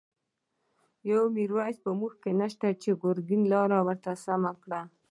يو” ميرويس ” په موږکی نشته، چی ګر ګين لاری ته سم کړی